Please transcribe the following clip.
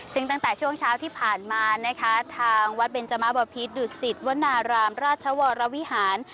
ซึ่งตั้งแต่ช่วงเช้าที่ผ่านมานะคะทางวัดเบนจมะบพิษดุสิตวนารามราชวรวิหาร